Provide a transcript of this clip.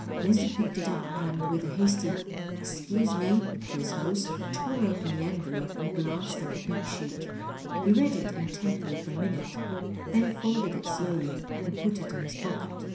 ^' Leslie picked it up, and, with a hasty " Excuse me ^' to his host, tore open the envelope and glanced at the pink sheet. He read it intently for a minute, then folded it slowly and put it in his pocket.